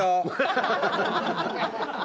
ハハハハ！